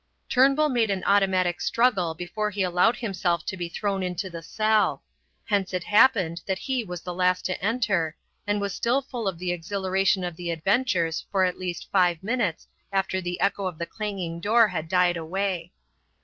Turnbull made an automatic struggle before he allowed himself to be thrown into the cell. Hence it happened that he was the last to enter, and was still full of the exhilaration of the adventures for at least five minutes after the echo of the clanging door had died away.